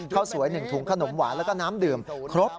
ข้าวสวย๑ถุงขนมหวานแล้วก็น้ำดื่มครบ